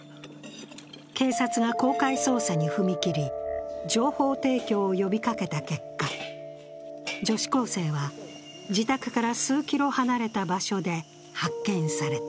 警察が公開捜査に踏み切り、情報提供を呼びかけた結果、女子高生は自宅から数キロ離れた場所で発見された。